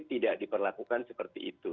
tidak diperlakukan seperti itu